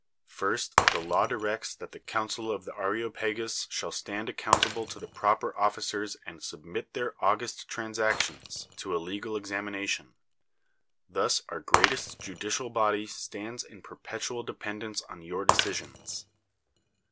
First, the law directs that the council of the Areopagus shall stand accountable to the proper officers and submit their august transactions to a legal examination ; thus our greatest judicial body stands in perpetual dependence on your decisions.